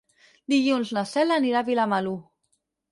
Dilluns na Cel anirà a Vilamalur.